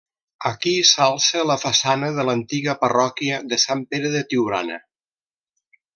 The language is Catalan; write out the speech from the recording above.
Aquí s'alça la façana de l'antiga parròquia de Sant Pere de Tiurana.